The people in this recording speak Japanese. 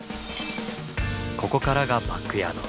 ここからがバックヤード。